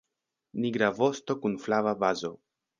Nigra vosto kun flava bazo.